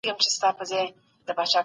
ما د حقايقو د موندلو له پاره لټون وکړ.